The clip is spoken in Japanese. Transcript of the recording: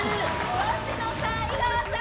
吉野さん井川さん